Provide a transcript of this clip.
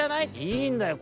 「いいんだよ